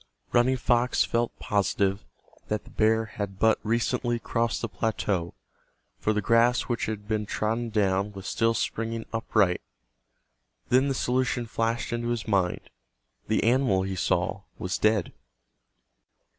Running Fox felt positive that the bear had but recently crossed the plateau, for the grass which had been trodden down was still springing upright. Then the solution flashed into his mind—the animal he saw was dead.